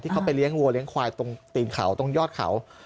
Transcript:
เขาไปเลี้ยงวัวเลี้ยควายตรงตีนเขาตรงยอดเขา